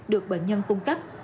được bệnh nhân cung cấp